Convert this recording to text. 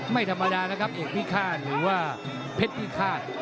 ไม่ธรรมดานะครับเอกพิฆาตหรือว่าเพชรพิฆาต